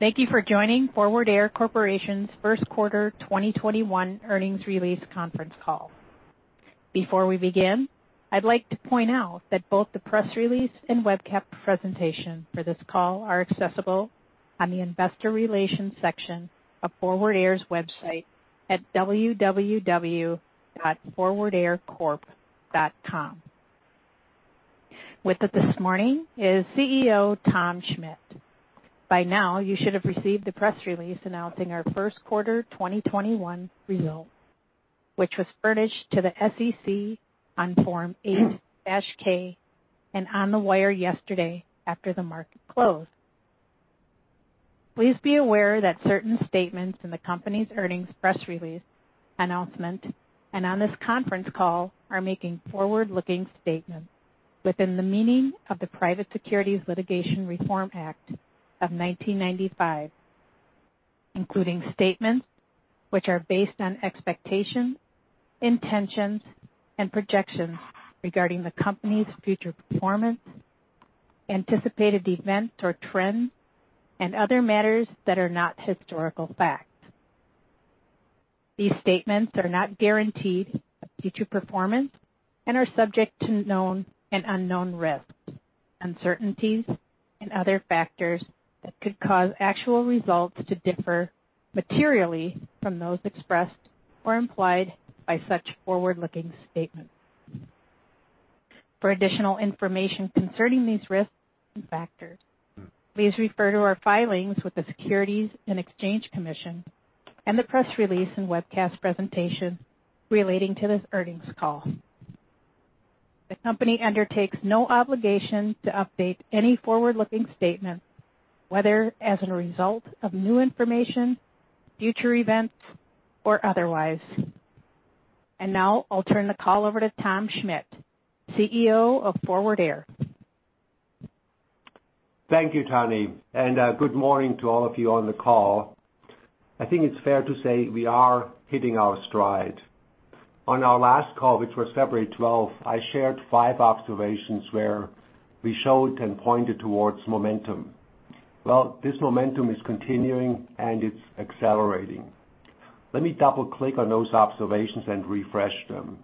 Thank you for joining Forward Air Corporation's first quarter 2021 earnings release conference call. Before we begin, I'd like to point out that both the press release and webcast presentation for this call are accessible on the investor relations section of Forward Air's website at www.forwardaircorp.com. With us this morning is Chief Executive Officer Tom Schmitt. By now, you should have received the press release announcing our first quarter 2021 results, which was furnished to the SEC on Form 8-K and on the wire yesterday after the market closed. Please be aware that certain statements in the company's earnings press release announcement and on this conference call are making forward-looking statements within the meaning of the Private Securities Litigation Reform Act of 1995, including statements which are based on expectations, intentions, and projections regarding the company's future performance, anticipated events or trends, and other matters that are not historical facts. These statements are not guarantees of future performance and are subject to known and unknown risks, uncertainties and other factors that could cause actual results to differ materially from those expressed or implied by such forward-looking statements. For additional information concerning these risks and factors, please refer to our filings with the Securities and Exchange Commission and the press release and webcast presentation relating to this earnings call. The company undertakes no obligation to update any forward-looking statements, whether as a result of new information, future events, or otherwise. Now I'll turn the call over to Tom Schmitt, Chief Executive Officer of Forward Air. Thank you, Tahnee, and good morning to all of you on the call? I think it's fair to say we are hitting our stride. On our last call, which was February 12, I shared five observations where we showed and pointed towards momentum. This momentum is continuing, and it's accelerating. Let me double-click on those observations and refresh them.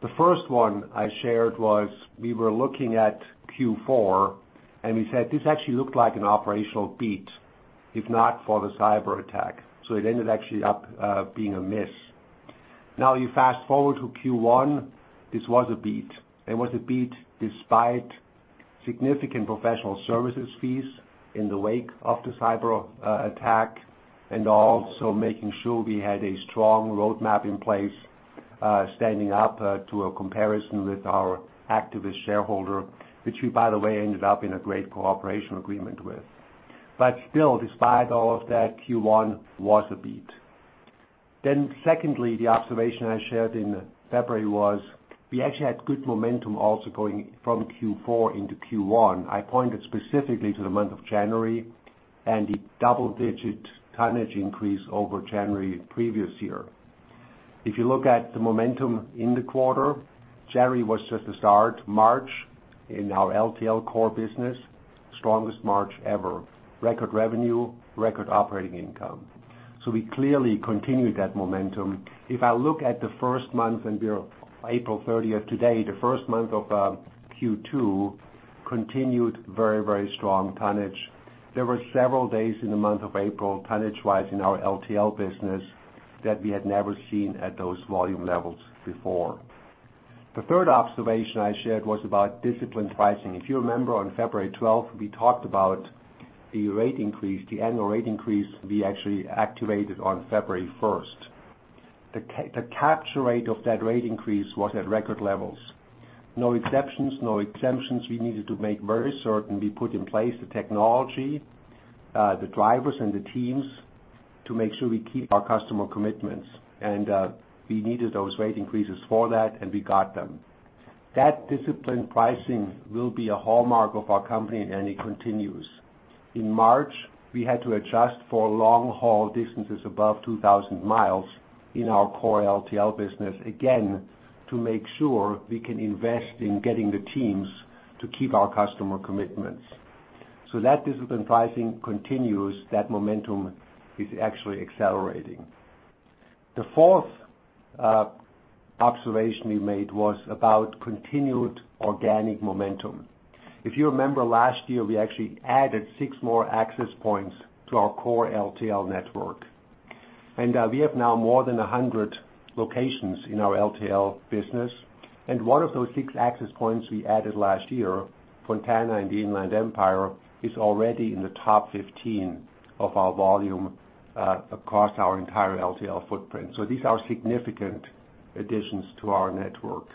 The first one I shared was we were looking at Q4, and we said this actually looked like an operational beat if not for the cyberattack. It ended actually up being a miss. Now you fast-forward to Q1. This was a beat, and was a beat despite significant professional services fees in the wake of the cyberattack and also making sure we had a strong roadmap in place, standing up to a comparison with our activist shareholder, which we, by the way, ended up in a great cooperation agreement with. Still, despite all of that, Q1 was a beat. Secondly, the observation I shared in February was we actually had good momentum also going from Q4 into Q1. I pointed specifically to the month of January and the double-digit tonnage increase over January previous year. If you look at the momentum in the quarter, January was just a start. March in our LTL core business, strongest March ever. Record revenue, record operating income. We clearly continued that momentum. If I look at the first month and we are April 30 today, the first month of Q2 continued very strong tonnage. There were several days in the month of April, tonnage-wise in our LTL business, that we had never seen at those volume levels before. The third observation I shared was about disciplined pricing. If you remember, on February 12, we talked about the rate increase, the annual rate increase we actually activated on February 1. The capture rate of that rate increase was at record levels. No exceptions, no exemptions. We needed to make very certain we put in place the technology, the drivers, and the teams to make sure we keep our customer commitments. We needed those rate increases for that, and we got them. That disciplined pricing will be a hallmark of our company, and it continues. In March, we had to adjust for long-haul distances above 2,000 mi in our core LTL business, again, to make sure we can invest in getting the teams to keep our customer commitments. That disciplined pricing continues. That momentum is actually accelerating. The fourth observation we made was about continued organic momentum. If you remember last year, we actually added six more access points to our core LTL network, and we have now more than 100 locations in our LTL business. One of those six access points we added last year, Fontana in the Inland Empire, is already in the top 15 of our volume across our entire LTL footprint. These are significant additions to our network.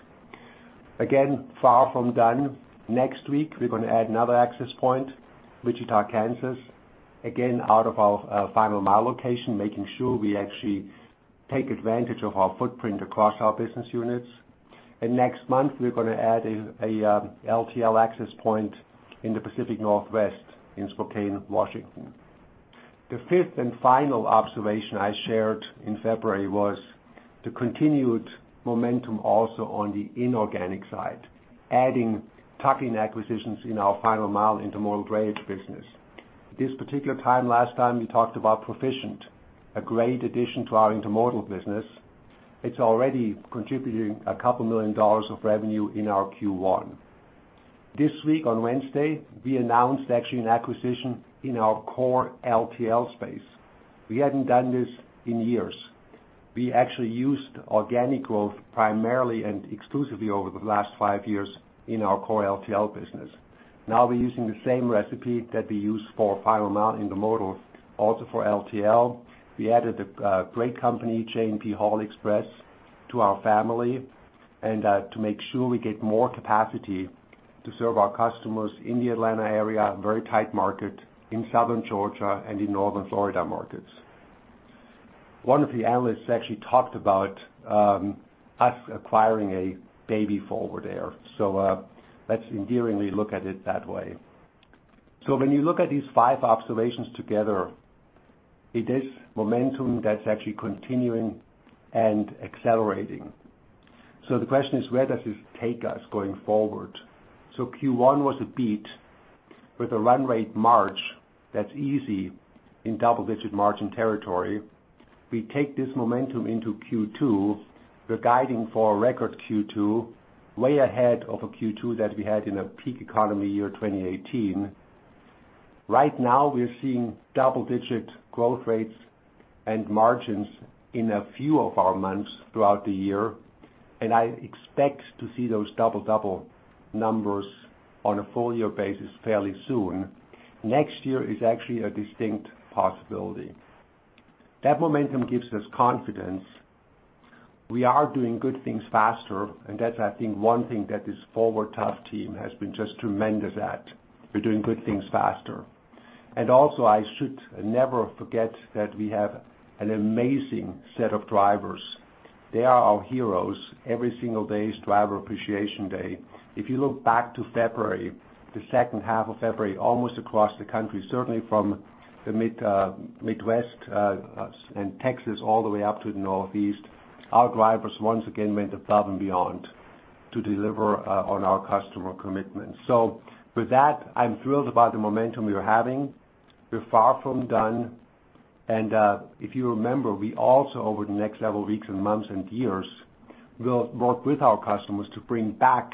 Again, far from done. Next week, we're going to add another access point, Wichita, Kansas, again, out of our Final Mile location, making sure we actually take advantage of our footprint across our business units. Next month, we're going to add a LTL access point in the Pacific Northwest in Spokane, Washington. The fifth and final observation I shared in February was the continued momentum also on the inorganic side, adding tuck-in acquisitions in our Final Mile intermodal drayage business. This particular time last time, we talked about Proficient, a great addition to our intermodal business. It's already contributing a couple million dollars of revenue in our Q1. This week, on Wednesday, we announced actually an acquisition in our core LTL space. We hadn't done this in years. We actually used organic growth primarily and exclusively over the last five years in our core LTL business. We're using the same recipe that we used for Final Mile intermodal also for LTL. We added a great company, J&P Hall Express, to our family, and to make sure we get more capacity to serve our customers in the Atlanta area, a very tight market, in southern Georgia, and in northern Florida markets. One of the analysts actually talked about us acquiring a baby Forward Air. Let's endearingly look at it that way. When you look at these five observations together, it is momentum that's actually continuing and accelerating. The question is, where does this take us going forward? Q1 was a beat with a run rate March that's easy in double-digit margin territory. We take this momentum into Q2. We're guiding for a record Q2, way ahead of a Q2 that we had in a peak economy year, 2018. Right now, we are seeing double-digit growth rates and margins in a few of our months throughout the year. I expect to see those double-double numbers on a full-year basis fairly soon. Next year is actually a distinct possibility. That momentum gives us confidence. We are doing good things faster. That's, I think, one thing that this Forward Air team has been just tremendous at. We're doing good things faster. Also, I should never forget that we have an amazing set of drivers. They are our heroes. Every single day is driver appreciation day. If you look back to February, the second half of February, almost across the country, certainly from the Midwest and Texas all the way up to the Northeast, our drivers once again went above and beyond to deliver on our customer commitments. With that, I'm thrilled about the momentum we are having. We're far from done. If you remember, we also, over the next several weeks and months and years, will work with our customers to bring back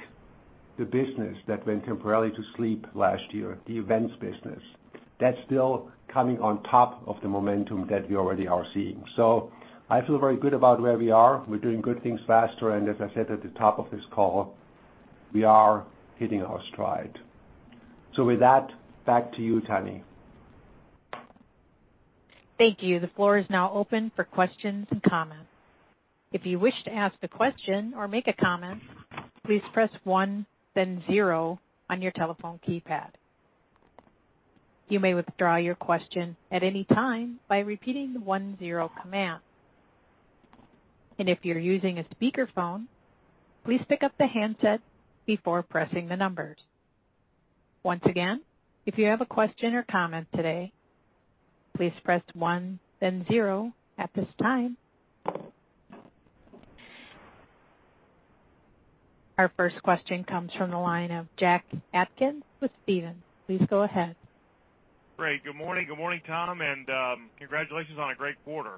the business that went temporarily to sleep last year, the events business. That's still coming on top of the momentum that we already are seeing. I feel very good about where we are. We're doing good things faster. As I said at the top of this call, we are hitting our stride. With that, back to you, Tahnee. Thank you. The floor is now open for questions and comments. If you wish to ask a question or make a comment, please press one then zero on your telephone keypad. You may withdraw your question at any time by repeating the one-zero command. If you're using a speakerphone, please pick up the handset before pressing the numbers. Once again, if you have a question or comment today, please press one then zero at this time. Our first question comes from the line of Jack Atkins with Stephens, please go ahead. Great. Good morning, good morning Tom? Congratulations on a great quarter.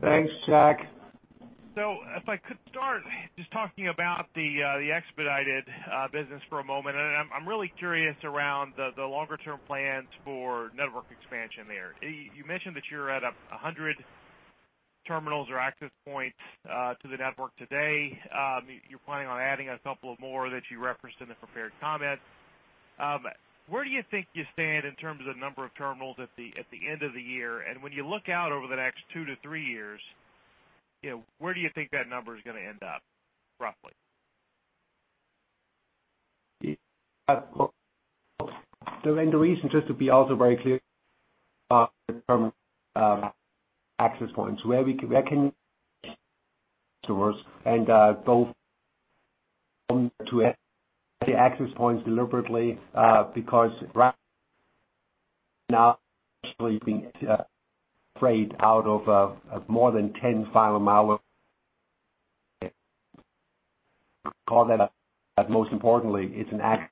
Thanks, Jack. If I could start just talking about the expedited business for a moment. I'm really curious around the longer-term plans for network expansion there. You mentioned that you're at 100 terminals or access points to the network today. You're planning on adding a couple of more that you referenced in the prepared comments. Where do you think you stand in terms of the number of terminals at the end of the year? When you look out over the next two to three years, where do you think that number is going to end up, roughly? The reason, just to be also very clear, from access points where we can and both to the access points deliberately because right freight out of more than 10 Final Mile. Most importantly, it's an act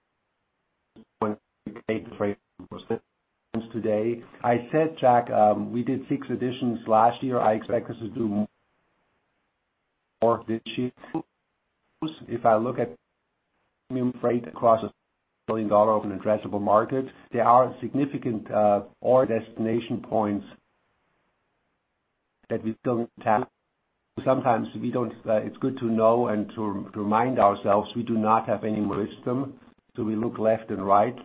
today. I said, Jack, we did six additions last year. I expect us to do more this year. If I look at freight across a $1 billion of an addressable market, there are significant origin destination points that we don't have. Sometimes it's good to know and to remind ourselves we do not have any wisdom, so we look left and right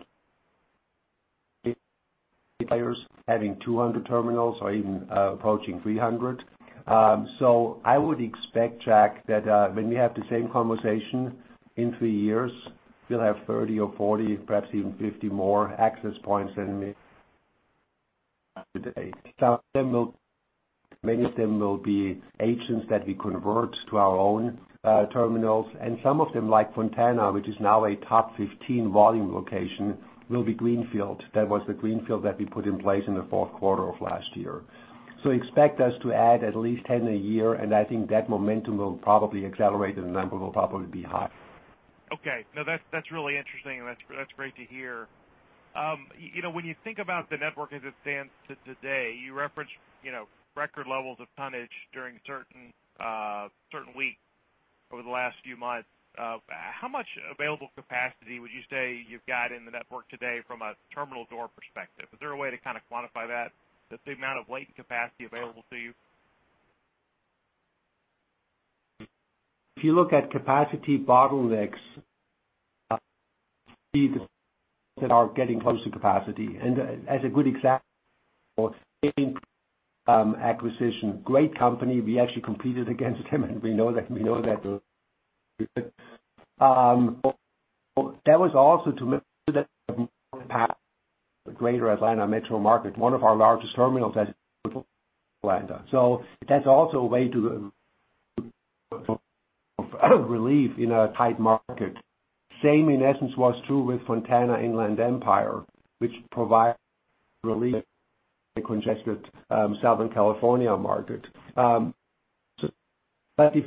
having 200 terminals or even approaching 300 terminals. I would expect, Jack, that when we have the same conversation in three years, we'll have 30 or 40, perhaps even 50 more access points than many of them will be agents that we convert to our own terminals, and some of them, like Fontana, which is now a top 15 volume location, will be Greenfield. That was the greenfield that we put in place in the fourth quarter of last year. Expect us to add at least 10 a year, and I think that momentum will probably accelerate, and the number will probably be higher Okay. No, that's really interesting and that's great to hear. When you think about the network as it stands today, you referenced record levels of tonnage during certain weeks over the last few months. How much available capacity would you say you've got in the network today from a terminal door perspective? Is there a way to kind of quantify that, just the amount of latent capacity available to you? If you look at capacity bottlenecks, that are getting close to capacity. As a good example, acquisition, great company. We actually competed against them, and we know that. That was also to the greater Atlanta metro market, one of our largest terminals Atlanta. That's also a way to relief in a tight market. Same, in essence, was true with Fontana Inland Empire, which provides relief in a congested Southern California market. Bottleneck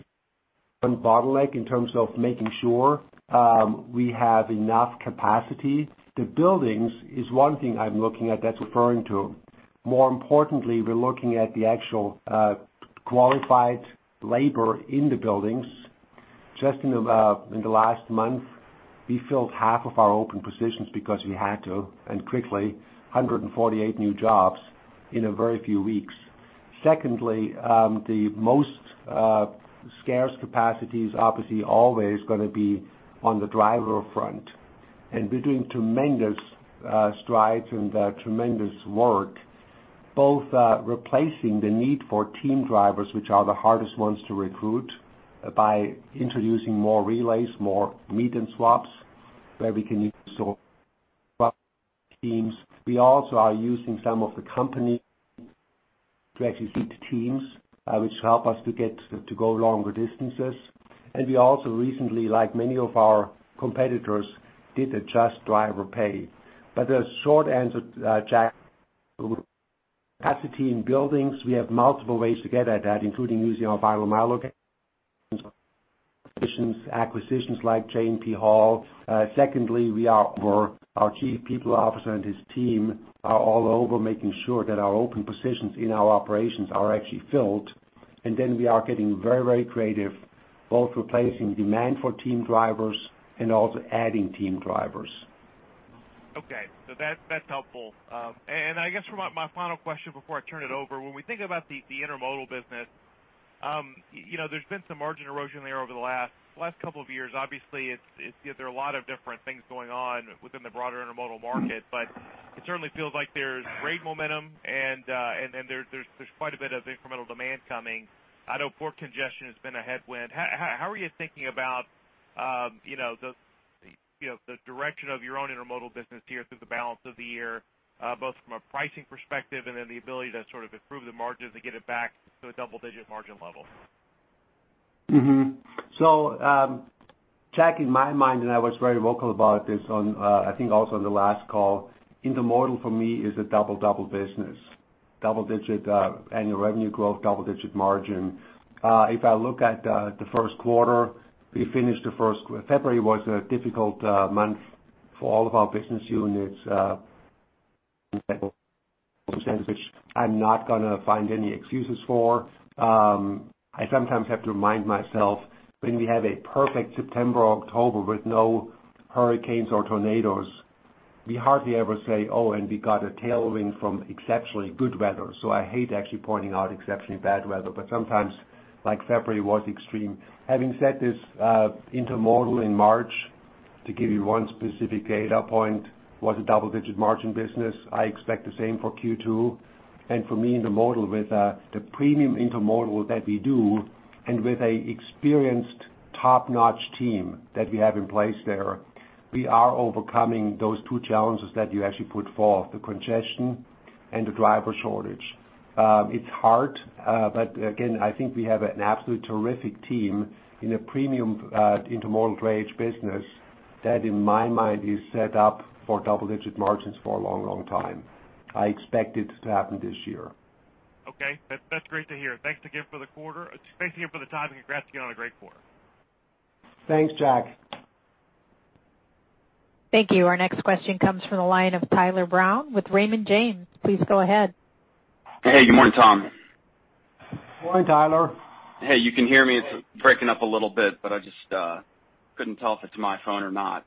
in terms of making sure we have enough capacity. The buildings is one thing I'm looking at that's referring to. More importantly, we're looking at the actual qualified labor in the buildings. Just in the last month, we filled half of our open positions because we had to, and quickly, 148 new jobs in a very few weeks. Secondly, the most scarce capacity is obviously always going to be on the driver front. We're doing tremendous strides and tremendous work, both replacing the need for team drivers, which are the hardest ones to recruit, by introducing more relays, more meet and swaps, where we can use teams. We also are using some of the company to actually feed the teams, which help us to go longer distances. We also recently, like many of our competitors, did adjust driver pay. The short answer, Jack, capacity in buildings, we have multiple ways to get at that, including using our Final Mile locations, acquisitions like J&P Hall. Secondly, our Chief People Officer and his team are all over making sure that our open positions in our operations are actually filled. We are getting very creative, both replacing demand for team drivers and also adding team drivers. That's helpful. I guess for my final question before I turn it over, when we think about the intermodal business, there's been some margin erosion there over the last couple of years. Obviously, there are a lot of different things going on within the broader intermodal market, but it certainly feels like there's rate momentum and there's quite a bit of incremental demand coming. I know port congestion has been a headwind. How are you thinking about the direction of your own intermodal business here through the balance of the year, both from a pricing perspective and then the ability to sort of improve the margins and get it back to a double-digit margin level? Jack, in my mind, and I was very vocal about this, I think also on the last call, intermodal for me is a double business. Double-digit annual revenue growth, double-digit margin. I look at the first quarter, we finished February was a difficult month for all of our business units, which I'm not going to find any excuses for. I sometimes have to remind myself when we have a perfect September, October with no hurricanes or tornadoes, we hardly ever say, oh, and we got a tailwind from exceptionally good weather. I hate actually pointing out exceptionally bad weather, but sometimes, like February was extreme. Having said this, intermodal in March, to give you one specific data point, was a double-digit margin business. I expect the same for Q2. For me, intermodal with the premium intermodal that we do and with an experienced top-notch team that we have in place there, we are overcoming those two challenges that you actually put forth, the congestion and the driver shortage. It's hard, but again, I think we have an absolutely terrific team in a premium intermodal drayage business that, in my mind, is set up for double-digit margins for a long time. I expect it to happen this year. Okay. That's great to hear. Thanks again for the time. Congrats again on a great quarter. Thanks, Jack. Thank you. Our next question comes from the line of Tyler Brown with Raymond James, please go ahead. Hey, good morning Tom? Good morning, Tyler. Hey, you can hear me? It's breaking up a little bit, but I just couldn't tell if it's my phone or not.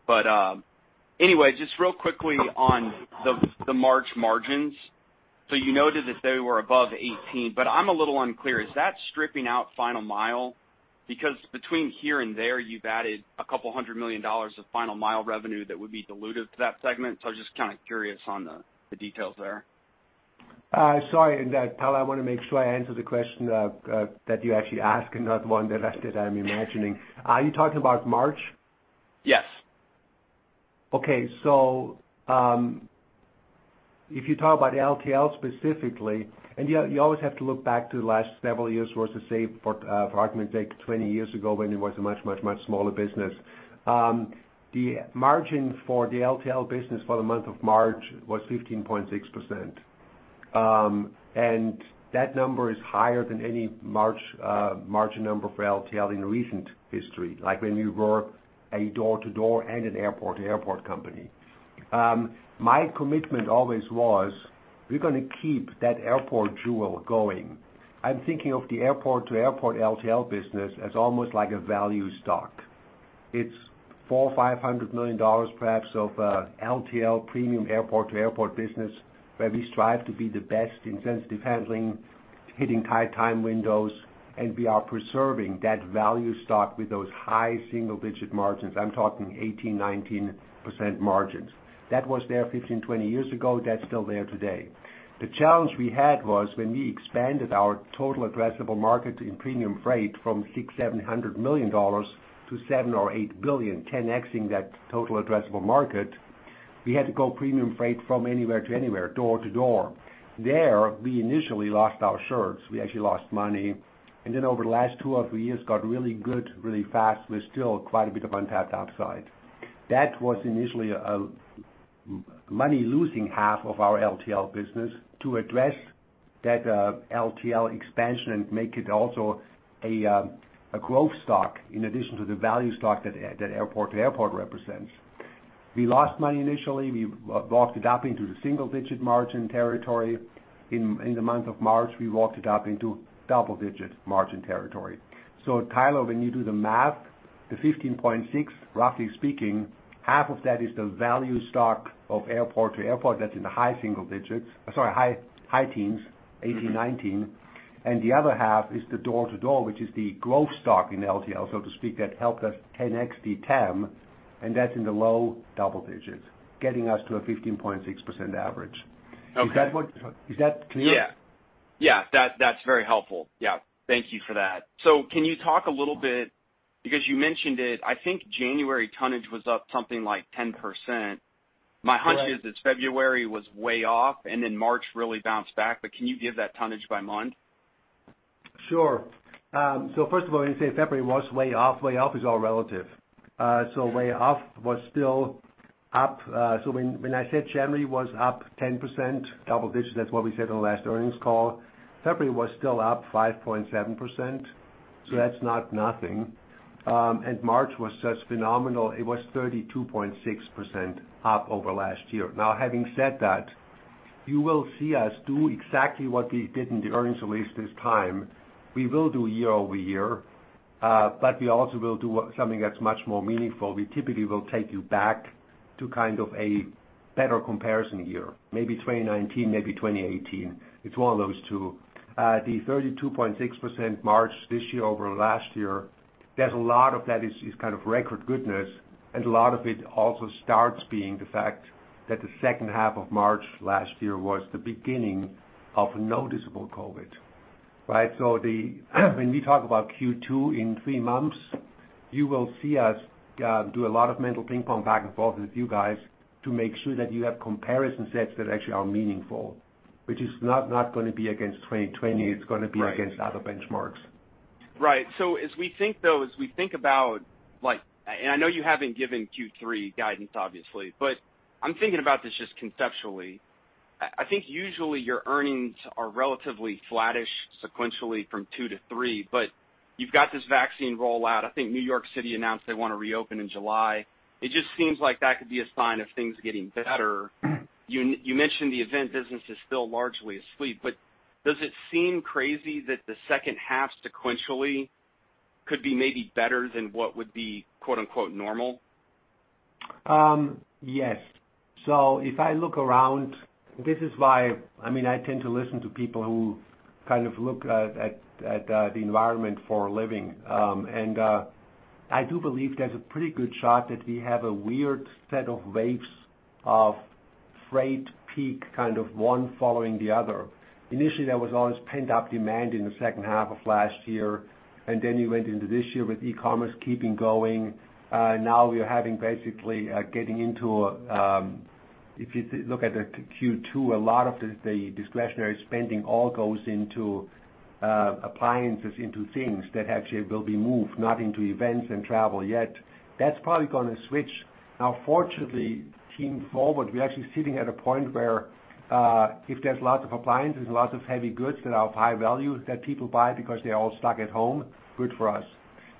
Anyway, just real quickly on the March margins. You noted that they were above 18, but I'm a little unclear. Is that stripping out Final Mile? Between here and there, you've added a couple hundred million dollars of Final Mile revenue that would be dilutive to that segment. I was just kind of curious on the details there. Sorry, Tyler, I want to make sure I answer the question that you actually asked and not one that I'm imagining. Are you talking about March? Yes. Okay. If you talk about LTL specifically, and you always have to look back to the last several years versus, say, for argument's sake, 20 years ago when it was a much smaller business. The margin for the LTL business for the month of March was 15.6%. That number is higher than any margin number for LTL in recent history, like when we were a door-to-door and an airport-to-airport company. My commitment always was, we're going to keep that airport jewel going. I'm thinking of the airport-to-airport LTL business as almost like a value stock. It's $400 million or $500 million perhaps of LTL premium airport-to-airport business, where we strive to be the best in sensitive handling, hitting tight time windows, and we are preserving that value stock with those high single-digit margins. I'm talking 18%, 19% margins. That was there 15 years, 20 years ago. That's still there today. The challenge we had was when we expanded our total addressable market in premium freight from $600 million-$700 million to $7 billion or $8 billion, 10x-ing that total addressable market, we had to go premium freight from anywhere-to-anywhere, door to door. There, we initially lost our shirts. We actually lost money. Over the last two years or three years, got really good really fast with still quite a bit of untapped upside. That was initially a money-losing half of our LTL business to address that LTL expansion and make it also a growth stock in addition to the value stock that airport-to-airport represents. We lost money initially. We walked it up into the single-digit margin territory. In the month of March, we walked it up into double-digit margin territory. Tyler, when you do the math, the 15.6%, roughly speaking, half of that is the value stock of airport-to-airport that's in the high single digits, Sorry, high teens, 18%, 19%. The other half is the door-to-door, which is the growth stock in LTL, so to speak, that helped us 10x the TAM, and that's in the low double digits, getting us to a 15.6% average. Okay. Is that clear? Yeah. That's very helpful. Yeah. Thank you for that. Can you talk a little bit, because you mentioned it, I think January tonnage was up something like 10%. Right. My hunch is that February was way off, and then March really bounced back, but can you give that tonnage by month? Sure. First of all, when you say February was way off, way off is all relative. Way off was still up. When I said January was up 10%, double digits, that's what we said on the last earnings call. February was still up 5.7%, so that's not nothing. March was just phenomenal. It was 32.6% up over last year. Now, having said that, you will see us do exactly what we did in the earnings release this time. We will do year-over-year, but we also will do something that's much more meaningful. We typically will take you back to kind of a better comparison year, maybe 2019, maybe 2018. It's one of those two. The 32.6% March this year over last year, there's a lot of that is kind of record goodness, and a lot of it also starts being the fact that the second half of March last year was the beginning of noticeable COVID, right. When we talk about Q2 in three months, you will see us do a lot of mental ping pong back and forth with you guys to make sure that you have comparison sets that actually are meaningful. Which is not going to be against 2020. Right. It's going to be against other benchmarks. Right. As we think, though, as we think about, and I know you haven't given Q3 guidance, obviously, but I'm thinking about this just conceptually. I think usually your earnings are relatively flattish sequentially from quarter two to quarter three, but you've got this vaccine rollout. I think New York City announced they want to reopen in July. It just seems like that could be a sign of things getting better. You mentioned the event business is still largely asleep, but does it seem crazy that the second half sequentially could be maybe better than what would be, quote-to-quote, normal? Yes. If I look around, this is why, I tend to listen to people who kind of look at the environment for a living. I do believe there's a pretty good shot that we have a weird set of waves of freight peak, kind of one following the other. Initially, there was all this pent-up demand in the second half of last year. Then you went into this year with e-commerce keeping going. We are having basically getting into, if you look at Q2, a lot of the discretionary spending all goes into appliances, into things that actually will be moved, not into events and travel yet. That's probably going to switch. Fortunately, team Forward, we're actually sitting at a point where if there's lots of appliances and lots of heavy goods that are of high value that people buy because they're all stuck at home, good for us.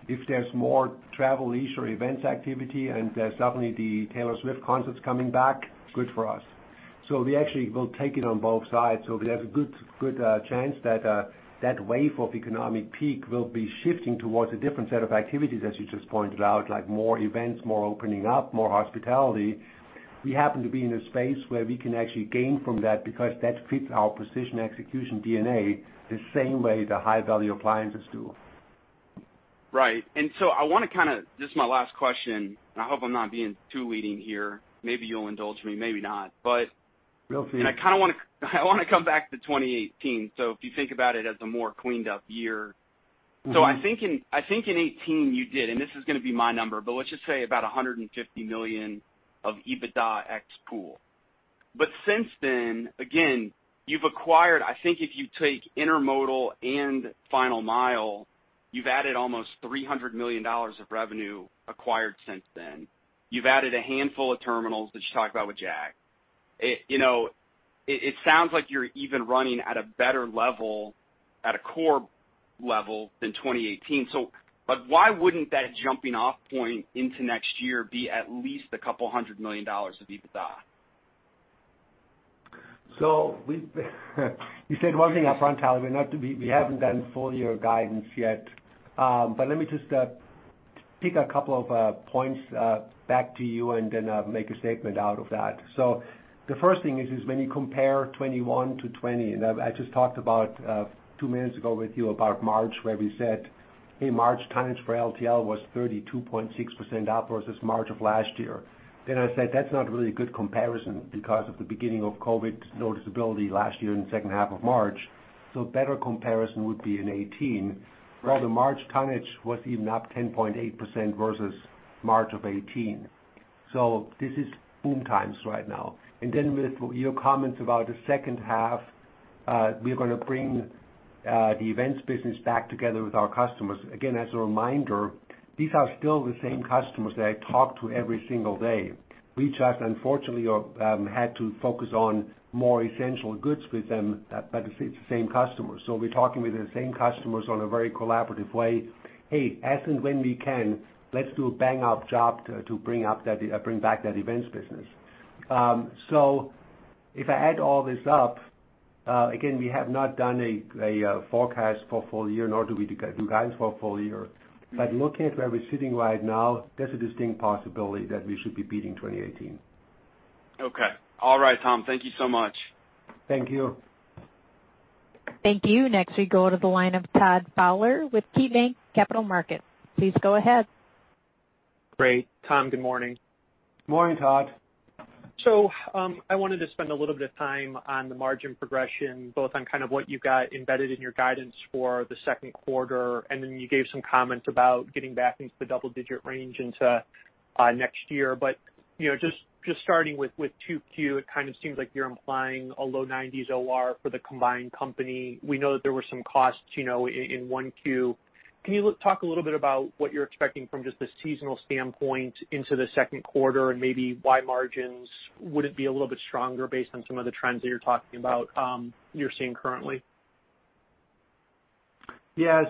If there's more travel, leisure, events activity, and there's definitely the Taylor Swift concerts coming back, good for us. We actually will take it on both sides. We have a good chance that that wave of economic peak will be shifting towards a different set of activities, as you just pointed out, like more events, more opening up, more hospitality. We happen to be in a space where we can actually gain from that because that fits our precision execution DNA the same way the high-value appliances do. Right. I want to kind of, this is my last question, and I hope I'm not being too leading here. Maybe you'll indulge me, maybe not. Go for it. I want to come back to 2018. If you think about it as a more cleaned-up year. I think in 2018, you did, and this is going to be my number, but let's just say about $150 million of EBITDA ex-Pool. Since then, again, you've acquired, I think if you take intermodal and Final Mile, you've added almost $300 million of revenue acquired since then. You've added a handful of terminals that you talked about with Jack. It sounds like you're even running at a better level, at a core level, than 2018. Why wouldn't that jumping off point into next year be at least a couple of hundred million dollars of EBITDA? You said one thing up front, Tyler, we haven't done full year guidance yet. Let me just pick a couple of points back to you and then make a statement out of that. The first thing is, when you compare 2021 to 2020, and I just talked about two minutes ago with you about March, where we said, hey, March tonnage for LTL was 32.6% up versus March of last year. I said, that's not really a good comparison because of the beginning of COVID noticability last year in the second half of March. Better comparison would be in 2018, where the March tonnage was even up 10.8% versus March of 2018. This is boom times right now. With your comments about the second half, we're going to bring the events business back together with our customers. Again, as a reminder, these are still the same customers that I talk to every single day. We just unfortunately, had to focus on more essential goods with them, but it's the same customers. We're talking with the same customers on a very collaborative way. hey, as and when we can, let's do a bang up job to bring back that events business. If I add all this up, again, we have not done a forecast for full year, nor do we do guidance for full year. Looking at where we're sitting right now, there's a distinct possibility that we should be beating 2018. Okay. All right, Tom, thank you so much. Thank you. Thank you. Next, we go to the line of Todd Fowler with KeyBanc Capital Markets, please go ahead. Great, Tom. Good morning? Morning, Todd. I wanted to spend a little bit of time on the margin progression, both on kind of what you've got embedded in your guidance for the second quarter, and then you gave some comments about getting back into the double digit range into next year. Just starting with 2Q, it kind of seems like you're implying a low 90s OR for the combined company. We know that there were some costs in 1Q. Can you talk a little bit about what you're expecting from just the seasonal standpoint into the second quarter? Maybe why margins wouldn't be a little bit stronger based on some of the trends that you're talking about, you're seeing currently? Yeah.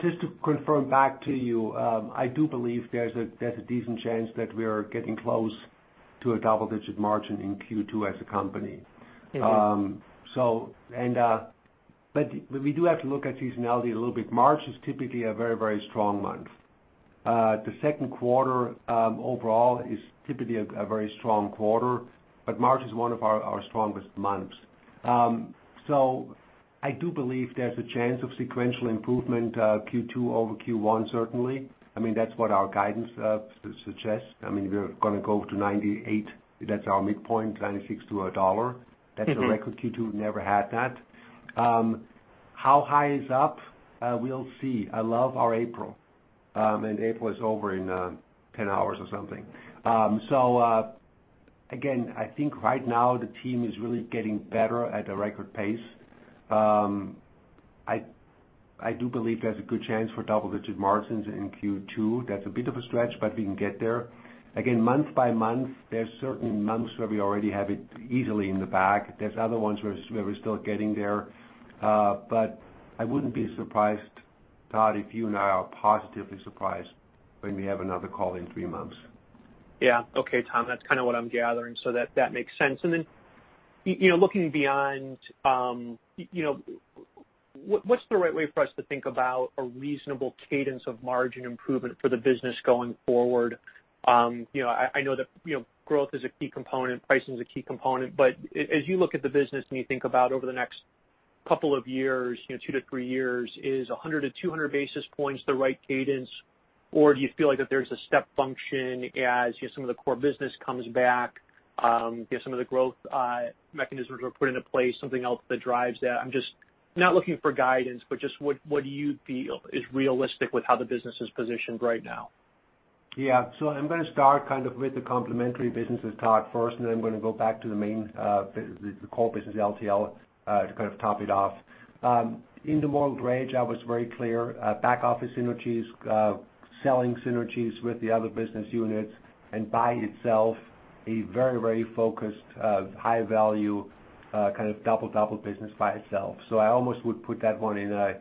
Just to confirm back to you, I do believe there's a decent chance that we are getting close to a double digit margin in Q2 as a company. We do have to look at seasonality a little bit. March is typically a very strong month. The second quarter, overall, is typically a very strong quarter. March is one of our strongest months. I do believe there's a chance of sequential improvement, Q2 over Q1, certainly. That's what our guidance suggests. We're going to go to $0.98. That's our midpoint, $0.96-$1.00. That's a record Q2, never had that. How high is up? We'll see. I love our April. April is over in 10 hours or something. Again, I think right now the team is really getting better at a record pace. I do believe there's a good chance for double-digit margins in Q2. That's a bit of a stretch, but we can get there. Again, month by month, there's certain months where we already have it easily in the bag. There's other ones where we're still getting there. I wouldn't be surprised, Todd, if you and I are positively surprised when we have another call in three months. Yeah. Okay, Tom. That's kind of what I'm gathering, so that makes sense. Looking beyond, what's the right way for us to think about a reasonable cadence of margin improvement for the business going forward? I know that growth is a key component, pricing is a key component, but as you look at the business and you think about over the next couple of years, two years to three years, is 100 basis points-200 basis points the right cadence? Do you feel like that there's a step function as some of the core business comes back, some of the growth mechanisms are put into place, something else that drives that? I'm just not looking for guidance, but just what do you feel is realistic with how the business is positioned right now? I'm going to start kind of with the complementary businesses, Todd, first, and then I'm going to go back to the main core business, LTL, to kind of top it off. In the intermodal range, I was very clear. Back office synergies, selling synergies with the other business units, and by itself, a very focused, high value, kind of double-digit business by itself. I almost would put that one in.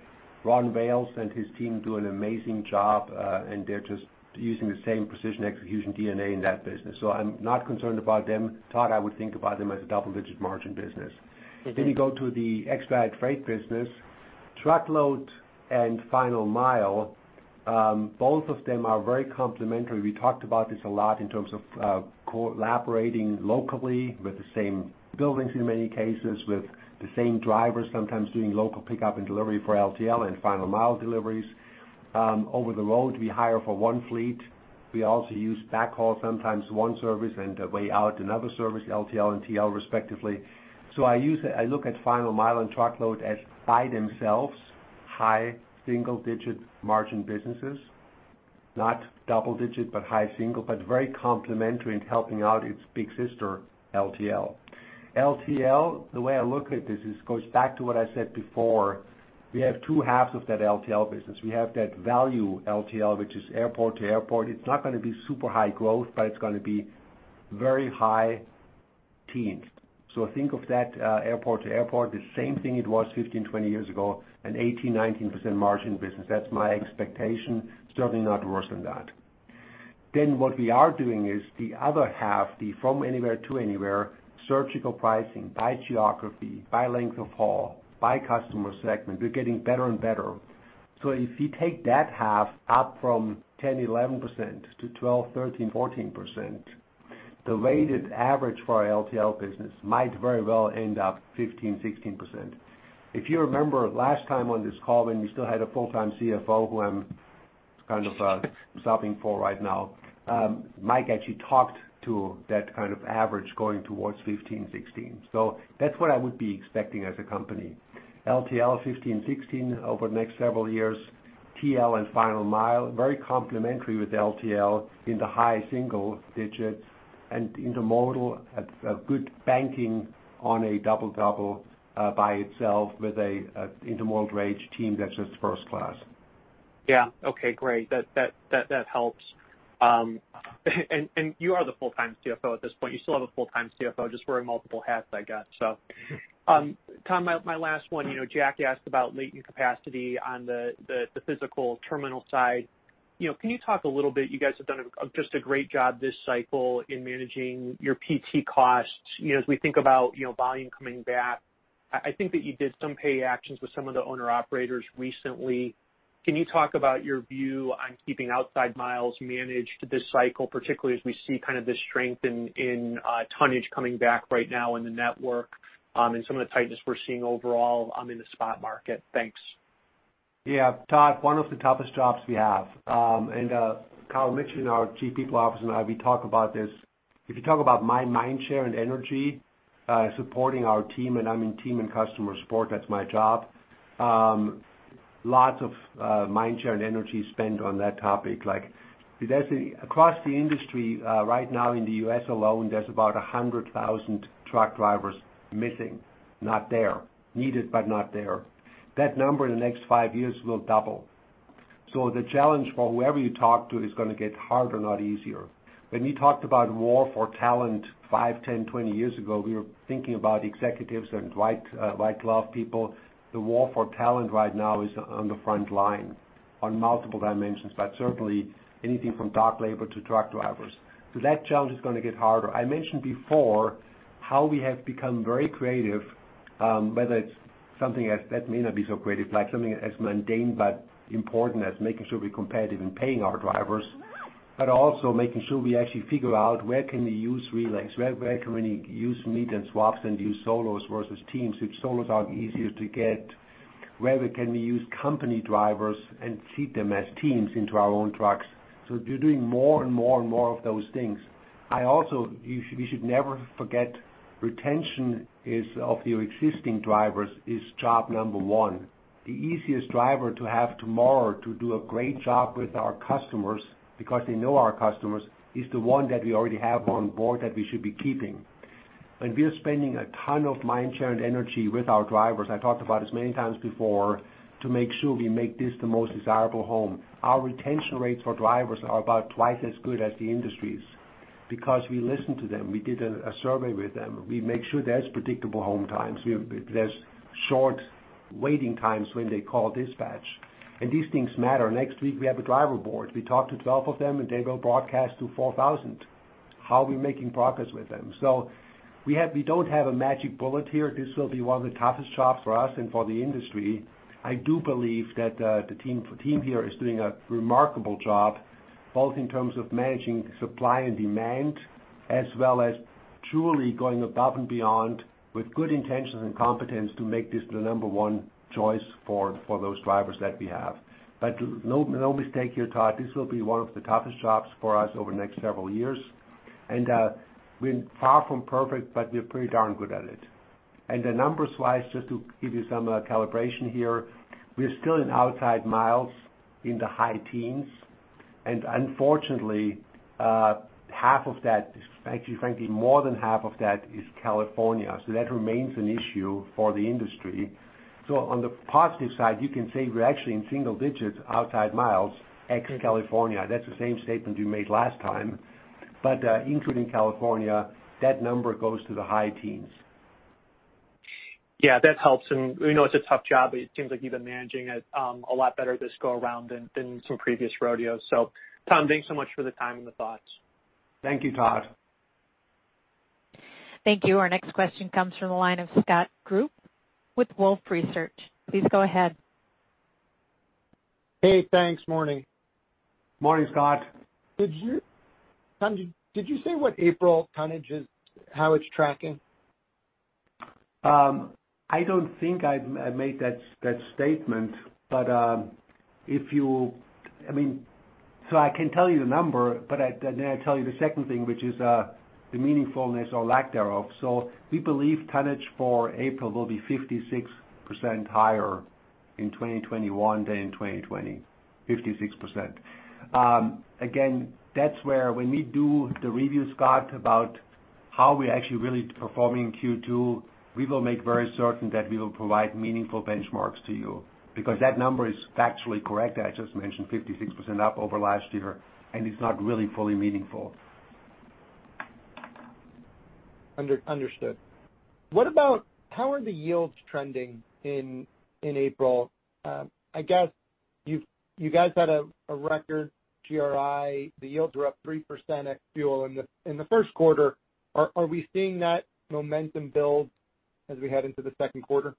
Ron Vail and his team do an amazing job, and they're just using the same precision execution DNA in that business. I'm not concerned about them. Todd, I would think about them as a double-digit margin business. You go to the expedite freight business. Truckload and Final Mile, both of them are very complementary. We talked about this a lot in terms of collaborating locally with the same buildings in many cases, with the same drivers, sometimes doing local pickup and delivery for LTL and Final Mile deliveries. Over the road, we hire for one fleet. We also use backhaul, sometimes one service and way out another service, LTL and TL respectively. I look at Final Mile and Truckload as by themselves, high single-digit margin businesses, not double-digit, but high single, but very complementary in helping out its big sister, LTL. LTL, the way I look at this goes back to what I said before. We have two halves of that LTL business. We have that value LTL, which is airport to airport. It's not going to be super high growth, but it's going to be very high teens. Think of that airport to airport, the same thing it was 15 years-20 years ago, an 18-19% margin business. That's my expectation. Certainly not worse than that. What we are doing is the other half, the from anywhere to anywhere, surgical pricing by geography, by length of haul, by customer segment. We're getting better and better. If you take that half up from 10%-11% to 12%-14%, the weighted average for our LTL business might very well end up 15%-16%. If you remember last time on this call, when we still had a full-time Chief Financial Officer, who I'm kind of subbing for right now, Mike actually talked to that kind of average going towards 15%-16%. That's what I would be expecting as a company. LTL 15%-16% over the next several years, TL and Final Mile, very complementary with LTL in the high single digits and intermodal at a good banking on a double-double by itself with an intermodal drayage team that's just first class. Yeah. Okay, great. That helps. You are the full-time Chief Financial Officer at this point. You still have a full-time Chief Financial Officer, just wearing multiple hats, I got. Tom, my last one. Jack asked about latent capacity on the physical terminal side. Can you talk a little bit, you guys have done just a great job this cycle in managing your PT costs. As we think about volume coming back, I think that you did some pay actions with some of the owner-operators recently. Can you talk about your view on keeping outside miles managed this cycle, particularly as we see this strength in tonnage coming back right now in the network, and some of the tightness we're seeing overall in the spot market? Thanks. Yeah. Todd, one of the toughest jobs we have. Kyle Mitchell, our Chief People Officer, and I, we talk about this. If you talk about my mind share and energy, supporting our team, and I mean team and customer support, that's my job. Lots of mind share and energy spent on that topic. Like there's across the industry, right now in the U.S. alone, there's about 100,000 truck drivers missing, not there. Needed, but not there. That number in the next five years will double. The challenge for whoever you talk to is going to get harder, not easier. When we talked about war for talent five years, 10 years, 20 years ago, we were thinking about executives and white glove people. The war for talent right now is on the front line on multiple dimensions, but certainly anything from dock labor to truck drivers. That challenge is going to get harder. I mentioned before how we have become very creative, whether it's something as, that may not be so creative, like something as mundane but important as making sure we're competitive in paying our drivers, but also making sure we actually figure out where can we use relays? Where can we use meet and swaps and use solos versus teams, which solos are easier to get? Where can we use company drivers and seat them as teams into our own trucks? We're doing more and more and more of those things. I also, we should never forget, retention of your existing drivers is job number one. The easiest driver to have tomorrow to do a great job with our customers because they know our customers, is the one that we already have on board that we should be keeping. We are spending a ton of mind share and energy with our drivers, I talked about this many times before, to make sure we make this the most desirable home. Our retention rates for drivers are about twice as good as the industry's because we listen to them. We did a survey with them. We make sure there's predictable home times. There's short waiting times when they call dispatch. These things matter. Next week, we have a driver board. We talk to 12 of them, and they go broadcast to 4,000 how we're making progress with them. We don't have a magic bullet here. This will be one of the toughest jobs for us and for the industry. I do believe that the team here is doing a remarkable job, both in terms of managing supply and demand, as well as truly going above and beyond with good intentions and competence to make this the number one choice for those drivers that we have. No mistake here, Todd, this will be one of the toughest jobs for us over the next several years. We're far from perfect, but we're pretty darn good at it. Numbers-wise, just to give you some calibration here, we are still in outside miles in the high teens, and unfortunately, half of that, actually, frankly, more than half of that is California. That remains an issue for the industry. On the positive side, you can say we're actually in single digits outside miles, ex California. That's the same statement you made last time. Including California, that number goes to the high teens. Yeah, that helps. We know it's a tough job, but it seems like you've been managing it a lot better this go around than some previous rodeos. Tom, thanks so much for the time and the thoughts. Thank you, Todd. Thank you. Our next question comes from the line of Scott Group with Wolfe Research, please go ahead. Hey, thanks. Morning? Morning, Scott. Tom, did you say what April tonnage is, how it's tracking? I don't think I made that statement. I can tell you the number, but then I tell you the second thing, which is the meaningfulness or lack thereof. We believe tonnage for April will be 56% higher in 2021 than in 2020, 56%. Again, that's where when we do the review, Scott, about how we're actually really performing in Q2, we will make very certain that we will provide meaningful benchmarks to you. That number is factually correct, I just mentioned 56% up over last year, and it's not really fully meaningful. Understood. How are the yields trending in April? I guess you guys had a record GRI. The yields were up 3% ex-fuel in the first quarter. Are we seeing that momentum build as we head into the second quarter?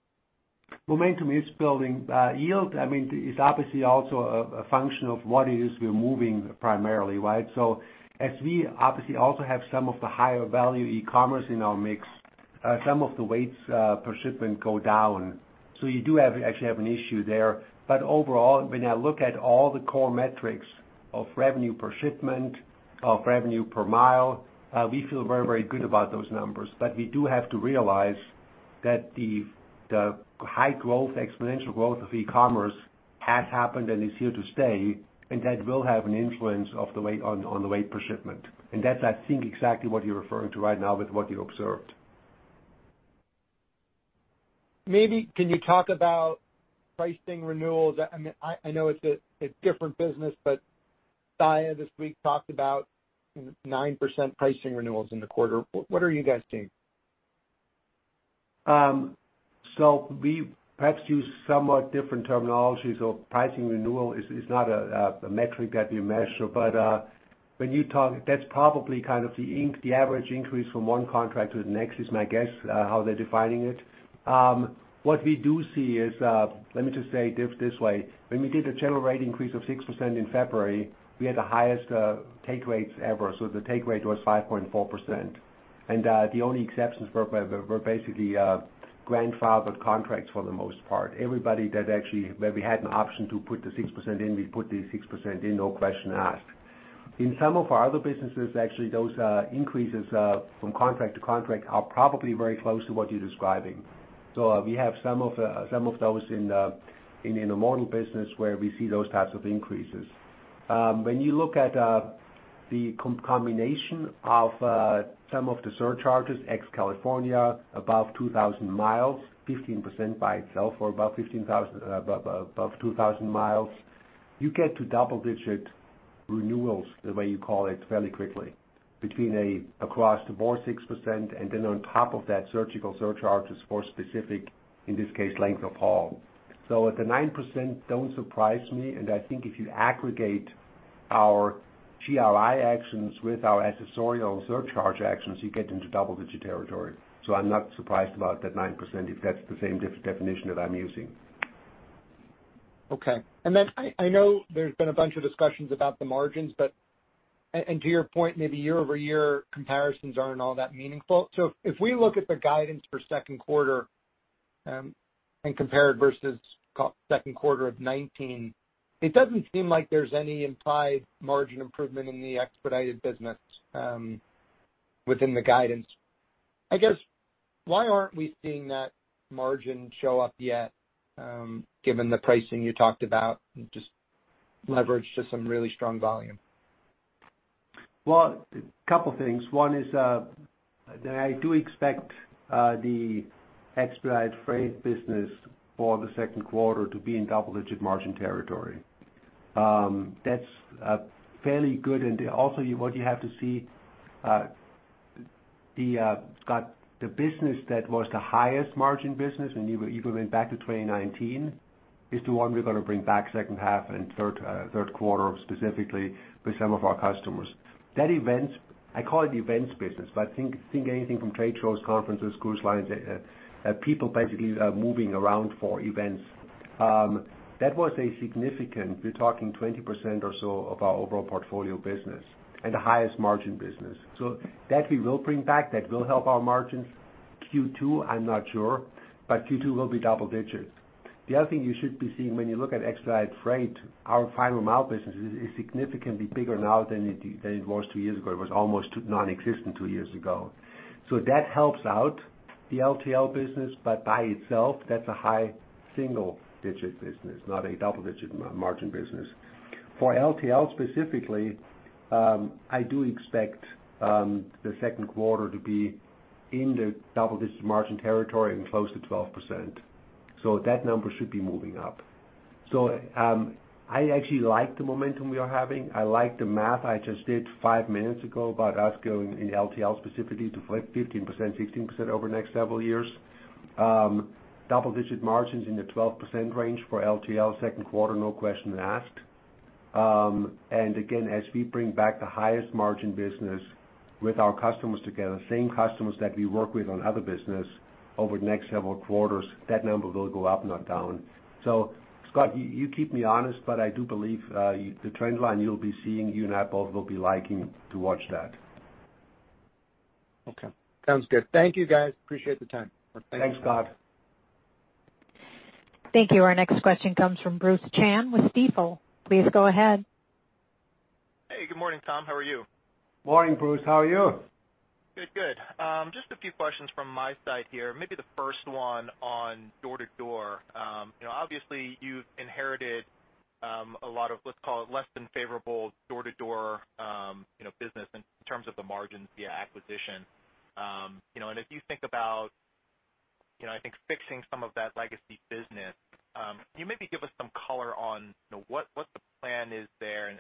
Momentum is building. Yield, I mean, is obviously also a function of what it is we're moving primarily, right? As we obviously also have some of the higher value e-commerce in our mix, some of the weights per shipment go down. You do actually have an issue there. Overall, when I look at all the core metrics of revenue per shipment, of revenue per mile, we feel very, very good about those numbers. We do have to realize that the high growth, exponential growth of e-commerce has happened and is here to stay, and that will have an influence on the weight per shipment. That's, I think, exactly what you're referring to right now with what you observed. Maybe, can you talk about pricing renewals? I know it's a different business, but Saia this week talked about 9% pricing renewals in the quarter. What are you guys seeing? We perhaps use somewhat different terminology. Pricing renewal is not a metric that we measure. That's probably kind of the average increase from one contract to the next is my guess, how they're defining it. What we do see is, let me just say it this way. When we did the general rate increase of 6% in February, we had the highest take rates ever. The take rate was 5.4%. The only exceptions were basically grandfathered contracts for the most part. Everybody that actually, where we had an option to put the 6% in, we put the 6% in, no question asked. In some of our other businesses, actually, those increases from contract to contract are probably very close to what you're describing. We have some of those in the intermodal business where we see those types of increases. When you look at the combination of some of the surcharges, ex California, above 2,000 mi, 15% by itself or above 2,000 mi, you get to double-digit renewals, the way you call it, fairly quickly. Across the board 6%, then on top of that, surgical surcharges for specific, in this case, length of haul. The 9% don't surprise me. I think if you aggregate our GRI actions with our accessorial surcharge actions, you get into double-digit territory. I'm not surprised about that 9%, if that's the same definition that I'm using. Okay. I know there's been a bunch of discussions about the margins, and to your point, maybe year-over-year comparisons aren't all that meaningful. If we look at the guidance for second quarter and compare it versus second quarter of 2019, it doesn't seem like there's any implied margin improvement in the expedited business within the guidance. I guess, why aren't we seeing that margin show up yet given the pricing you talked about, just leverage to some really strong volume? Well, a couple things. One is that I do expect the expedited freight business for the second quarter to be in double-digit margin territory. That's fairly good. Also what you have to see, Scott, the business that was the highest margin business, and you even went back to 2019, is the one we're going to bring back second half and third quarter specifically with some of our customers. That event, I call it the events business, but think anything from trade shows, conferences, cruise lines, people basically moving around for events. That was a significant, we're talking 20% or so of our overall portfolio business and the highest margin business. That we will bring back. That will help our margins. Q2, I'm not sure, but Q2 will be double digits. The other thing you should be seeing when you look at expedited freight, our Final Mile business is significantly bigger now than it was two years ago. It was almost nonexistent two years ago. That helps out the LTL business, but by itself, that's a high single-digit business, not a double-digit margin business. For LTL specifically, I do expect the second quarter to be in the double-digit margin territory and close to 12%. That number should be moving up. I actually like the momentum we are having. I like the math I just did five minutes ago about us going in LTL specifically to 15%, 16% over the next several years. Double-digit margins in the 12% range for LTL second quarter, no question asked. Again, as we bring back the highest margin business with our customers together, same customers that we work with on other business, over the next several quarters, that number will go up, not down. Scott, you keep me honest, but I do believe the trend line you'll be seeing, you and I both will be liking to watch that. Okay. Sounds good. Thank you, guys. Appreciate the time. Thanks, Scott. Thank you. Our next question comes from Bruce Chan with Stifel, please go ahead. Good morning, Tom. How are you? Morning, Bruce. How are you? Good. Just a few questions from my side here. Maybe the first one on door-to-door. Obviously, you've inherited a lot of, let's call it less than favorable door-to-door business in terms of the margins via acquisition. If you think about, I think fixing some of that legacy business, can you maybe give us some color on what the plan is there and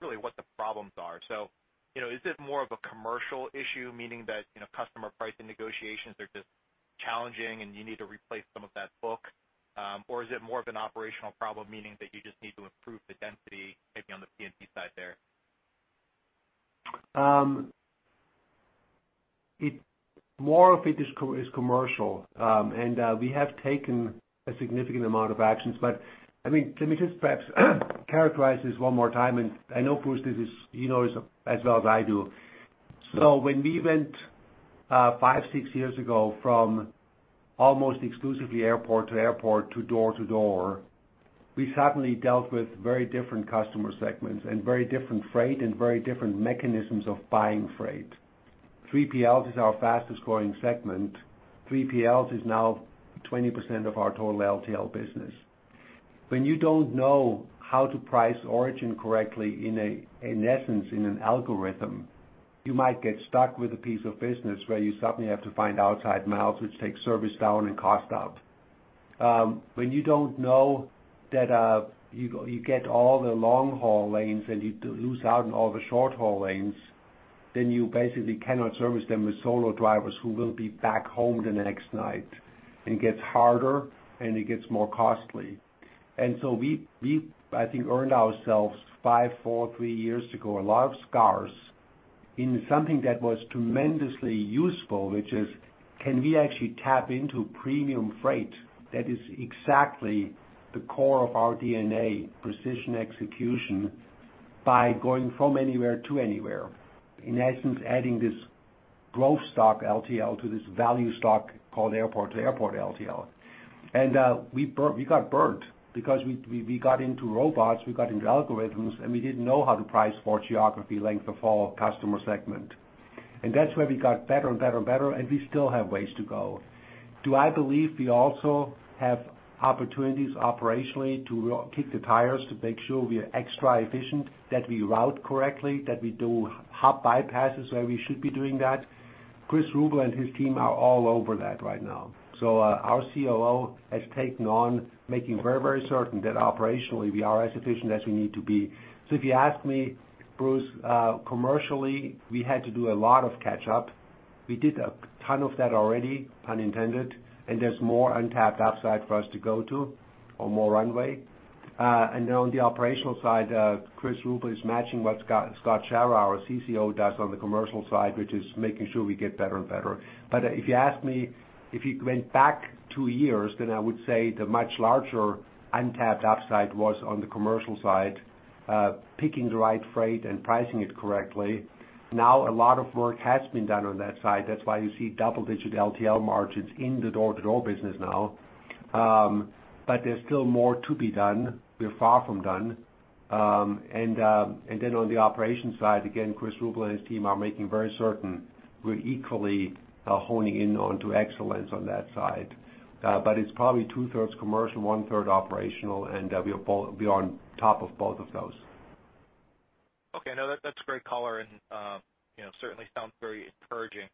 really what the problems are. Is it more of a commercial issue, meaning that customer pricing negotiations are just challenging, and you need to replace some of that book? Is it more of an operational problem, meaning that you just need to improve the density, maybe on the P&D side there? More of it is commercial. We have taken a significant amount of actions. Let me just perhaps characterize this one more time, and I know, Bruce, this is, you know this as well as I do. When we went five, six years ago from almost exclusively airport-to-airport to door-to-door, we suddenly dealt with very different customer segments and very different freight and very different mechanisms of buying freight. 3PL is our fastest growing segment. 3PL is now 20% of our total LTL business. When you don't know how to price origin correctly in essence, in an algorithm, you might get stuck with a piece of business where you suddenly have to find outside miles, which takes service down and cost up. When you don't know that you get all the long-haul lanes and you lose out on all the short-haul lanes, you basically cannot service them with solo drivers who will be back home the next night. It gets harder, it gets more costly. We, I think, earned ourselves five, four, three years ago, a lot of scars in something that was tremendously useful, which is can we actually tap into premium freight that is exactly the core of our DNA, precision execution, by going from anywhere to anywhere. In essence, adding this growth stock LTL to this value stock called airport-to-airport LTL. We got burnt because we got into robots, we got into algorithms, and we didn't know how to price for geography, length of haul, customer segment. That's where we got better and better and better, and we still have ways to go. Do I believe we also have opportunities operationally to kick the tires to make sure we are extra efficient, that we route correctly, that we do hot bypasses where we should be doing that? Chris Ruble and his team are all over that right now. Our Chief Operating Officer has taken on making very certain that operationally we are as efficient as we need to be. If you ask me, Bruce, commercially, we had to do a lot of catch up. We did a ton of that already, pun intended, and there's more untapped upside for us to go to or more runway. On the operational side, Chris Ruble is matching what Scott Schara, our Chief Commercial Officer, does on the commercial side, which is making sure we get better and better. If you ask me, if you went back two years, I would say the much larger untapped upside was on the commercial side, picking the right freight and pricing it correctly. A lot of work has been done on that side. That's why you see double-digit LTL margins in the door-to-door business now. There's still more to be done. We're far from done. On the operations side, again, Chris Ruble and his team are making very certain we're equally honing in on to excellence on that side. It's probably 2/3 commercial, 1/3 operational, and we are on top of both of those. Okay. No, that's great color and certainly sounds very encouraging.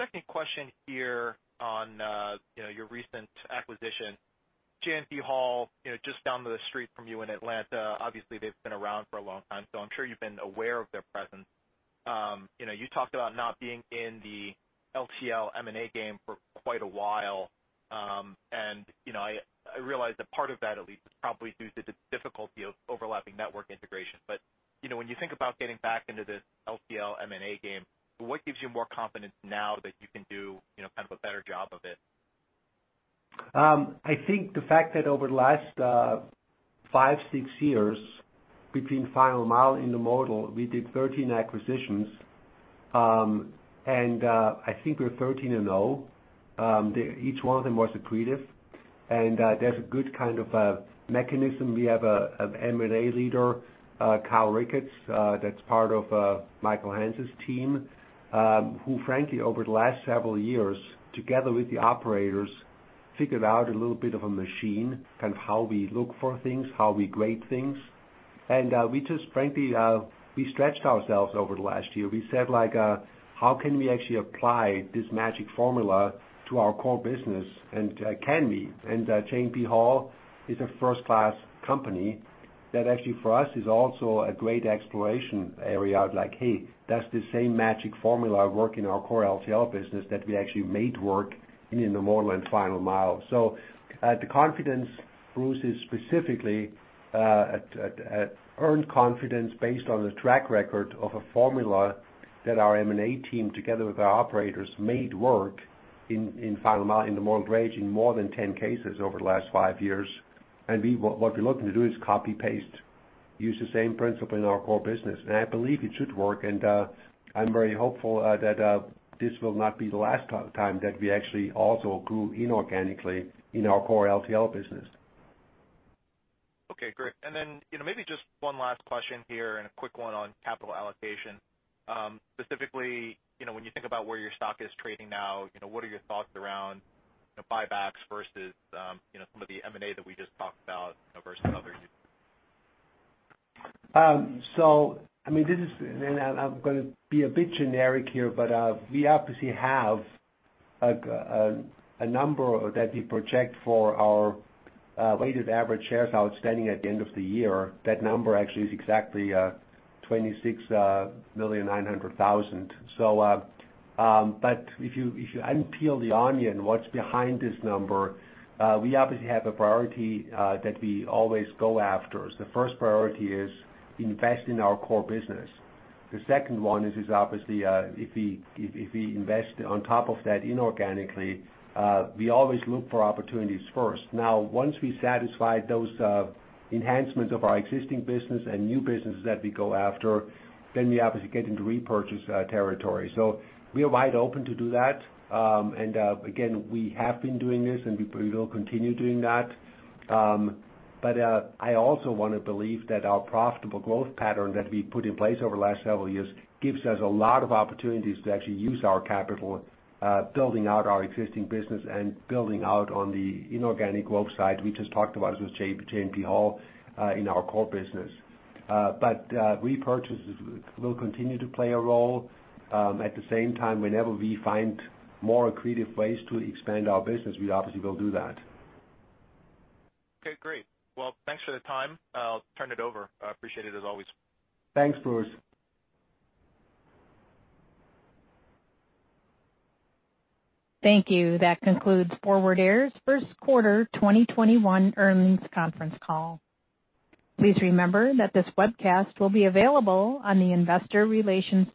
Second question here on your recent acquisition. J&P Hall, just down the street from you in Atlanta, obviously, they've been around for a long time, so I'm sure you've been aware of their presence. You talked about not being in the LTL M&A game for quite a while. I realize that part of that at least is probably due to the difficulty of overlapping network integration. When you think about getting back into the LTL M&A game, what gives you more confidence now that you can do kind of a better job of it? I think the fact that over the last five, six years, between Final Mile and intermodal, we did 13 acquisitions. I think we're 13 and O. Each one of them was accretive, and there's a good kind of mechanism. We have an M&A leader, Kyle Ricketts, that's part of Michael Hance's team, who frankly, over the last several years, together with the operators, figured out a little bit of a machine, kind of how we look for things, how we grade things. We just frankly, we stretched ourselves over the last year. We said, like, how can we actually apply this magic formula to our core business, and can we? J&P Hall is a first-class company that actually, for us, is also a great exploration area. Like, hey, does the same magic formula work in our core LTL business that we actually made work intermodal and Final Mile? The confidence, Bruce, is specifically earned confidence based on the track record of a formula that our M&A team, together with our operators, made work in Final Mile, in the modal range in more than 10 cases over the last five years. What we're looking to do is copy-paste, use the same principle in our core business. I believe it should work, and I'm very hopeful that this will not be the last time that we actually also grew inorganically in our core LTL business. Okay, great. Then maybe just one last question here and a quick one on capital allocation. Specifically, when you think about where your stock is trading now, what are your thoughts around buybacks versus some of the M&A that we just talked about versus others? I'm going to be a bit generic here, but we obviously have a number that we project for our weighted average shares outstanding at the end of the year. That number actually is exactly 26,900,000. If you unpeel the onion, what's behind this number? We obviously have a priority that we always go after. The first priority is invest in our core business. The second one is obviously, if we invest on top of that inorganically, we always look for opportunities first. Once we satisfy those enhancements of our existing business and new businesses that we go after, we obviously get into repurchase territory. We are wide open to do that. Again, we have been doing this and we will continue doing that. I also want to believe that our profitable growth pattern that we put in place over the last several years gives us a lot of opportunities to actually use our capital, building out our existing business and building out on the inorganic growth side we just talked about with J&P Hall in our core business. Repurchases will continue to play a role. At the same time, whenever we find more creative ways to expand our business, we obviously will do that. Okay, great. Well, thanks for the time. I'll turn it over. I appreciate it as always. Thanks, Bruce. Thank you. That concludes Forward Air's first quarter 2021 earnings conference call. Please remember that this webcast will be available on the investor relations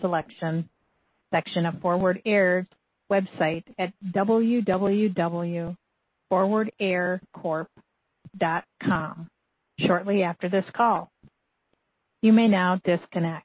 section of Forward Air website at www.forwardaircorp.com shortly after this call, you may now disconnect.